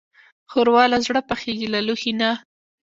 ښوروا له زړه پخېږي، له لوښي نه.